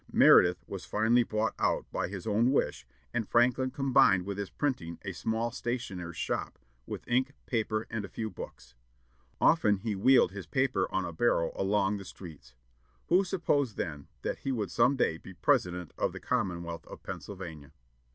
Meredith was finally bought out by his own wish, and Franklin combined with his printing a small stationer's shop, with ink, paper, and a few books. Often he wheeled his paper on a barrow along the streets. Who supposed then that he would some day be President of the Commonwealth of Pennsylvania?